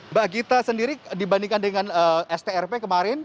mbak gita sendiri dibandingkan dengan strp kemarin